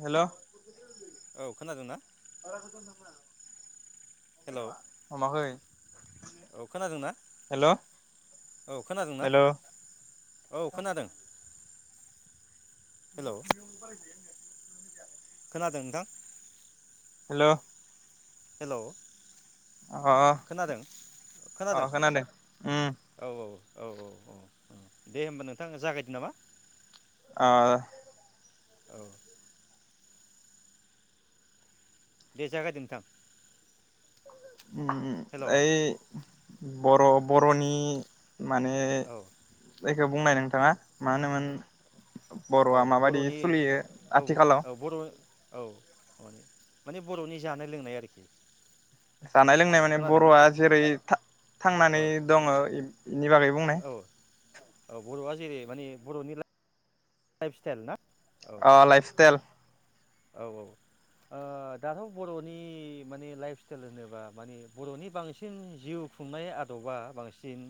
हेल' औ खोनादोंना बारा गोजान नामा हेलौ औ खोनादोंना हेल' औ खोनादोंना हेल' औ खोनादों हेलौ [unintelligible] [inaudible] खोनादों नोंथां हेल' हेलौ अ खोनादों अ खोनादों खोनादोंं उम औ औ औ औ दे होमबा नोंथाङ जागायदो नामा अ औ दे जागायदो नोंथां उम उम हेलौ ओय बर' बर'नि माने औ जाय खौ बुंनाय नोंथाङा माहोनोमोन औ बर'आ माबादि बर'नि सोलियो औ आथिखालाव? औ बर' औ अदे माने बर'नि जानाय लोंनाय आरोखि जानाय औ लोंनाय माने खोनादोंना बर'आ जेरै था औ थांनानै दङो इ-इनि बागै बुंनाय औ औ बर'आ जेरै माने बर'नि लाइफ स्टाइल ना? औ अ औ लाइफ स्टाइल औ औ ओ दाथ' बर'नि माने लाइफ स्टाइल होनोब्ला माने बर'नि बांसिन जिउ खुंनाय आद'बा बांसिन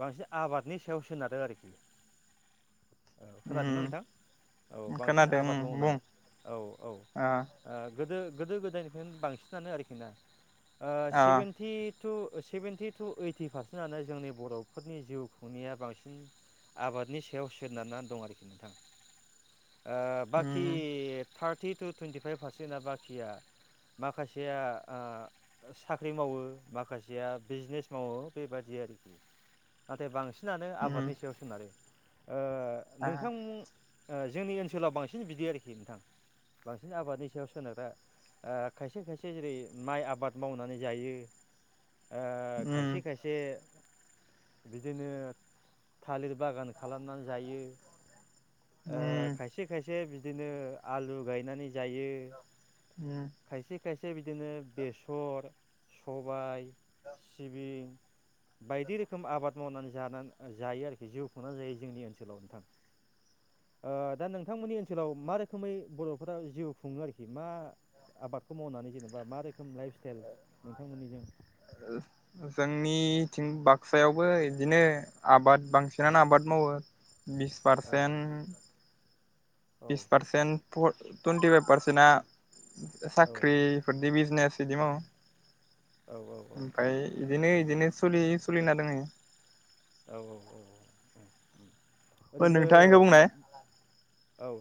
बांसिन आबादनि सायाव सोनारो आरोखि औ खोनादोंना नोंथां? उम औ बांसिन खोनादों उम आबाद बुं मावनाय औ औ ओ अ गोदो गोदो गोदायनिफ्रायनो बांसिनानो आरोखि ना ओ अ seventy two seventy two eighty पारसेन्टआनो जोंनि बर'फोरनि जिउ खुंनाया बांसिन आबादनि सायाव सोनारनानै दं आरोखि नोंथां ओ बाखि उम थारटि टु टुइन्टिफाइभ पारसेन्टआ बाखिया माखासेया ओ साख्रि मावो माखासेया बिजनेस मावो बेबादि आरोखि नाथाय बांसि नानो उम आबादनि सायाव सोनारो। ओ आ नोंथांमो ओ जोंनि ओनसोलाव बांसिन बिदि आरोखि नोंथां बांसिन आबादनि सायाव सोनारग्रा ओ खायसे खायसे जेरै माइ आबाद मावनानै जायो। ओ उम खायसे खायसे बिदिनो थालिर बागान खालामनानै जायो। ओ उम खायसे खाय से बिदिनो आलु गायनानै जायो उम खायसे खायसे बिदिनो बेसर सबाय सिबिं बायदि रोखोम आबाद मावनानै जानानै जायो आरोखि जिउ खुंना जायो जोंनि ओनसोलाव नोंथां। ओ दा नोंथां मोननि ओनसोलाव मा रोखोमै बर'फोरा जिउ खुङो आरोखि मा आबादखौ मावनानै जेनेबा मा रोखोम लाइफ स्टाइल नोंथांमोननिजों [inaudible] जोंनि थिं बाक्सायावबो इदिनो आबाद औ बांसिनानो आबाद मावो बिस औ पारसेन्ट औ बिस पारसेन्ट पर टुन्टिफाइभ पारसेन्टआ औ साख्रिफोरदि बिजनेस बिदि मावो औ ओमफ्राय इदिनो इदिनो सोलियो। सोलिना दोंहैयो। औ औ औ औ औ। ओरैनो नोंथाङा इखो बुंनाय औ।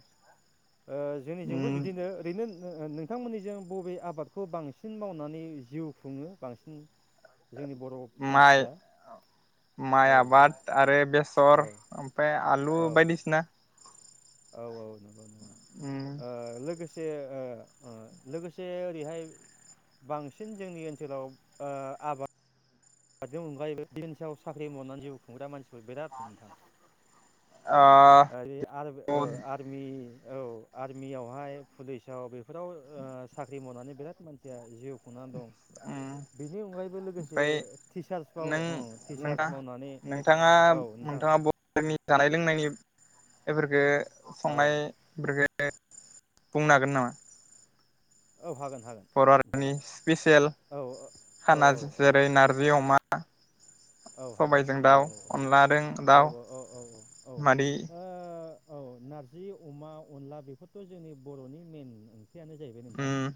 ओ जोंनिजोंबो उम बिदिनो ओरैनो ओ नोंथांमोननिजों बबे आबादखौ बांसिन मावनानै जिउ खुङो बांसिन जोंनि बर' माइ मानसिफ्रा। माइ औ आबाद आरो सर औ ओमफ्राय आलु औ बायदिसिना। औ औ ओ उम लोगोसे [unintelligible] लोगोसे ओरैहाय बांसिन जोंनि ओनसोलाव ओ आबाद नि अनगायैबो [unintelligible] साख्रि मावनानै जिउ खुंग्रा मानसिफोर बिराद नोंथां। ओ आरि आर ओ आरमि औ आरमियावहाय पुलिसाव बेफोराव ओ साख्रि मावनानै बिराद मानसिया जिउ खुंनानै दं उम बेनि अनगायैबो लोगोसे ओमफ्राय टिचार्सफ्राव नों ओ टिचार्स नोंथां मावनानै नोंथाङा औ नोंथां एफोरखो औ संनाय एफोरखो [unintelligible] बुंनो हागोन नामा औ हागोन हागोन बर' नोंथां हारिनि स्पेसियेल औ औ खाना औ जेरै नारजि अमा [unintelligible] औ हागोन सबायजों औ दाउ औ औ अनलादों औ दाउ औ मादि ओ औ नारजि अमा अनला बेफोरथ' जोंनि बर'नि मेन ओं ख्रियानो जाहैबाय नोंथां उम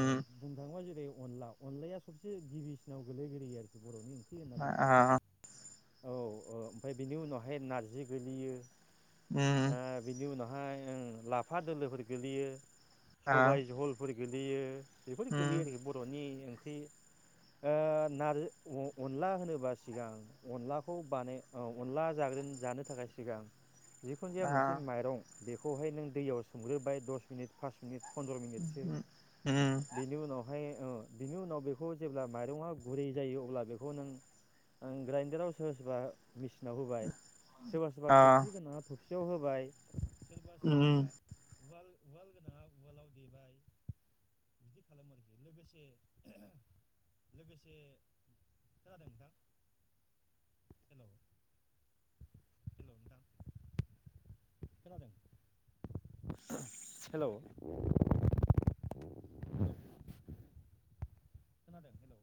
उम बुंनो थाङोबा जों बे अनला अनलाया सबसे गिबिसिनाव गोलै ग्रोयो आरोखि बर'नि ओं ख्रि होन्ना बुंब्ला आ औ औ ओमफ्राय बिनि उनावहाय नारजि गोलैयो [unintelligible] हाय लाफा दोलोफोर गोग्लैयो आ सबाय जहलफोर गोलोयो बेफोर उम गोलैयो आरोखि बर'निओं ख्रि ओ नारजि अनला होनोबा सिगां अनलाखौ बानाय अनला जाग्रोन जानो थाखाय सिगां जिखुन जाया आ मोनसे माइरं बेखौहाय नों दैयाव सोमग्रोबाय दस मिनिट फास मिनिट फन्द्र' मिनिटसो उम बेनि उनावहाय ओ बिनि उनाव बेखौ बेखौ नों ग्राइन्दाराव सोरबा सोरबा मेसिनाव होबाय सोरबा सोरबा आ थफि गोनाङा थफि बियाव होबाय सोरबा सोरबा उम उवाल उवाल गोनाङा उवालाव देबाय बिदि खालामो आरोखि लोगोसे लोगोसे खोनादों नोंथां हेलौ हेलौ नोंथां खोनादों हेलौ खोनादों हेलौ